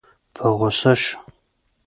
په غوسه شو.